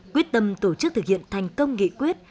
quyết tâm tổ chức thực hiện thành công nghị quyết